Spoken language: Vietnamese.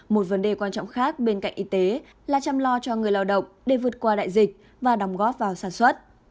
một vấn đề quan trọng khác bên cạnh y tế là chăm lo cho người lao động để vượt qua đại dịch và đóng góp vào sản xuất